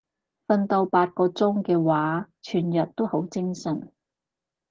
瞓到八個鐘嘅話全日都好精神